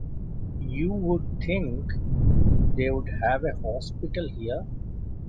You’d think they’d have a hospital here.